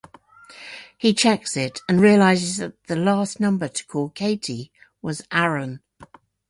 He checks it and realizes that the last number to call Katie was Aaron.